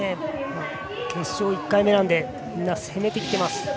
決勝１回目なのでみんな、攻めてきています。